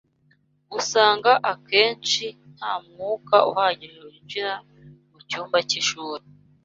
Usanga akenshi nta mwuka uhagije winjira mu cyumba cy’ishuri